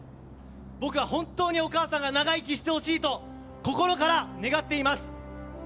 僕は本当にお母さんが長生きしてほしいと心から願っています。